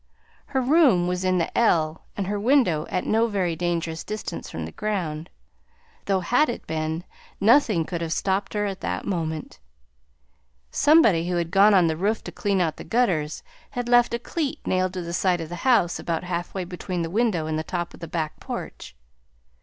Her room was in the L and her window at no very dangerous distance from the ground, though had it been, nothing could have stopped her at that moment. Somebody who had gone on the roof to clean out the gutters had left a cleat nailed to the side of the house about halfway between the window and the top of the back porch.